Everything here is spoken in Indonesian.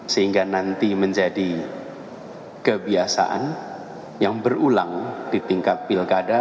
sehingga nanti menjadi kebiasaan yang berulang di tingkat pilkada